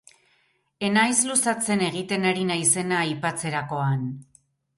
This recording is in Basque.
Ez naiz luzatzen egiten ari naizena aipatzerakoan.